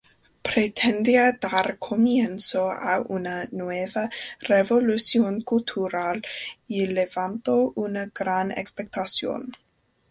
Pretendía dar comienzo a una nueva revolución cultural, y levantó una gran expectación.